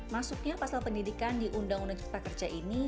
masuknya pasal pendidikan di undang undang cipta kerja ini